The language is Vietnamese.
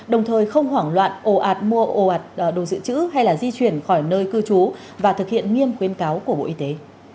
đồng thời không hoảng loạn ồ ạt mua ồ ạt đồ dự trữ hay di chuyển khỏi nơi cư trú và thực hiện nghiêm khuyến cáo của bộ y tế